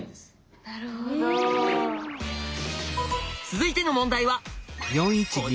続いての問題はこちら。